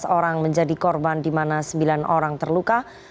sebelas orang menjadi korban di mana sembilan orang terluka